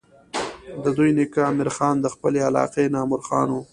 د دوي نيکه امير خان د خپلې علاقې نامور خان وو